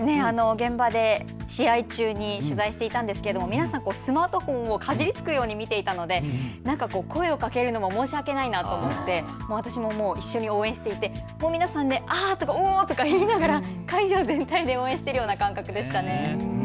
現場で試合中に取材していたんですけど皆さん、スマートフォンをかじりつくように見ていたので声をかけるの、申し訳ないなと思って、私も一緒に応援していて皆さん、あーとかおーとか言いながら会場全体で応援しているような感じでした。